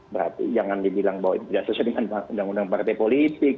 berarti jangan dibilang bahwa ini tidak sesuai dengan undang undang partai politik